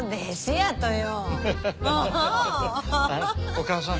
お母さん